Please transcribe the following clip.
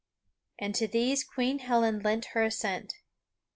And to these Queen Helen lent her assent.